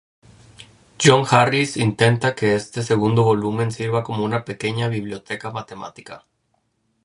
John Harris intenta que este segundo volumen sirva como una pequeña biblioteca matemática.